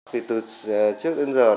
từ trước đến giờ